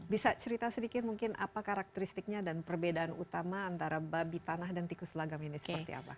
bisa cerita sedikit mungkin apa karakteristiknya dan perbedaan utama antara babi tanah dan tikus lagam ini seperti apa